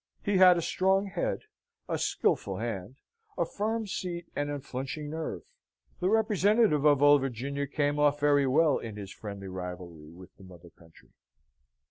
He had a strong head, a skilful hand, a firm seat, an unflinching nerve. The representative of Old Virginia came off very well in his friendly rivalry with the mother country.